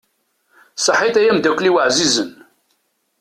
Saḥit ay amdakkel-iw ɛzizen.